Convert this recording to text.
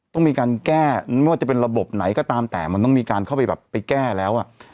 หรือไม่ว่าจะเป็นระบบไหนก็ตามแต่มันต้องมีการเข้าไปแคนแก้แล้ว